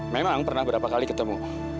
memang pernah berapa kali ketemu